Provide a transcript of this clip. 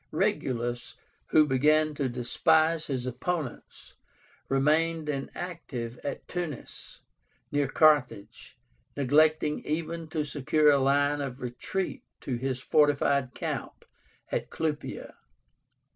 Regulus, who began to despise his opponents, remained inactive at Tunis, near Carthage, neglecting even to secure a line of retreat to his fortified camp at Clupea.